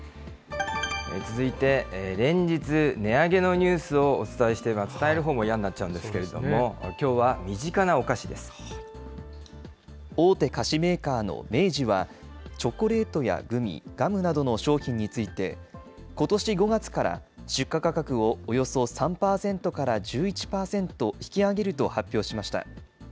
続いて、連日、値上げのニュースをお伝えしていて、伝えるほうもやんなっちゃうんですけども、きょうは身近なお菓子大手菓子メーカーの明治は、チョコレートやグミ、ガムなどの商品について、ことし５月から出荷価格をおよそ３％から１１％引き上げると発表しました。